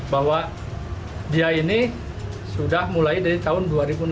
bahwa dia ini sudah mulai dari tahun dua ribu enam belas